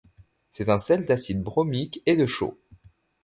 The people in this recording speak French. C'est un sel d'acide bromique et de chaux.